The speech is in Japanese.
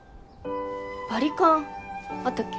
バリカンあったっけ？